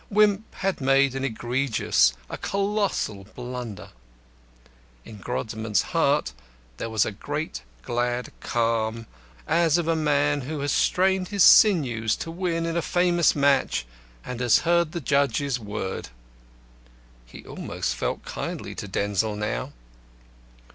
Wimp had made an egregious, a colossal blunder. In Grodman's heart there was a great, glad calm as of a man who has strained his sinews to win in a famous match, and has heard the judge's word. He felt almost kindly to Denzil now.